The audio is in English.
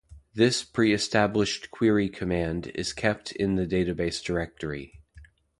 This pre-established query command is kept in the database dictionary.